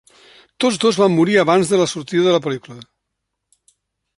Tots dos van morir abans de la sortida de la pel·lícula.